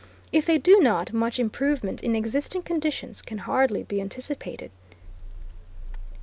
If they do not, much improvement in existing conditions can hardly be anticipated.